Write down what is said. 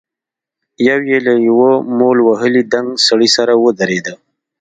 يو يې له يوه مول وهلي دنګ سړي سره ودرېد.